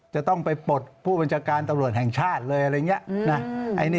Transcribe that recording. จะต้องไปปลดผู้บัญชาการตำรวจแห่งชาติเลยอะไรอย่างนี้นะ